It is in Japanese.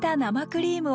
栗クリーム？